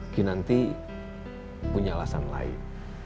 kinanti punya alasan lain